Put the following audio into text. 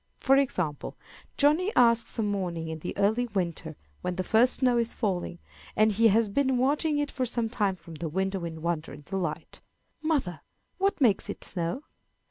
For example, Johnny asks some morning in the early winter, when the first snow is falling, and he has been watching it for some time from the window in wonder and delight, "Mother, what makes it snow?"